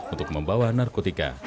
untuk membawa narkotika